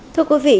thưa quý vị